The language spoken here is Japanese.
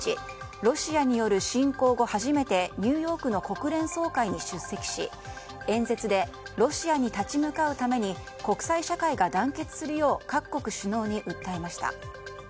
ロシアによる侵攻後初めてニューヨークの国連総会に出席し演説でロシアに立ち向かうために国際社会が団結するよう各国首脳に訴えました。